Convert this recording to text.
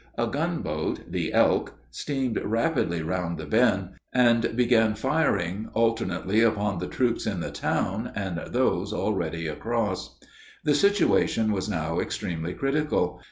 A gunboat, the Elk, steamed rapidly round the bend, and began firing alternately upon the troops in the town and those already across. The situation was now extremely critical.